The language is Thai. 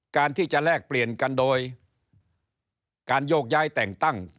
การที่จะแลกเปลี่ยนกันโดยการโยกย้ายแต่งตั้ง